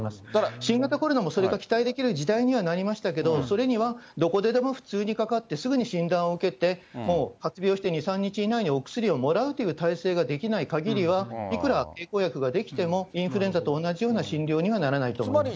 新型コロナもそれが期待できる時代にはなりましたけれども、それには、どこででも普通にかかって、すぐに診断を受けて、もう発病して２、３日以内にお薬をもらうという体制ができないかぎりは、いくら経口薬が出来ても、インフルエンザと同じような診療にはならないと思います。